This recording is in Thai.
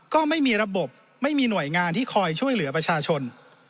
ก็ไม่มีระบบไม่มีหน่วยงานที่คอยช่วยเหลือประชาชน